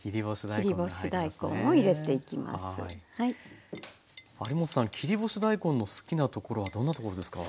切り干し大根の好きなところはどんなところですか？